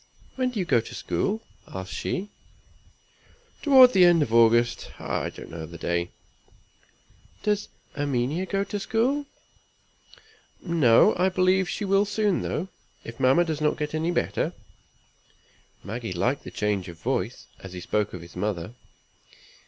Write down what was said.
"When do you go to school?" asked she. "Toward the end of August; I don't know the day." "Does Erminia go to school?" "No. I believe she will soon though, if mamma does not get better." Maggie liked the change of voice, as he spoke of his mother.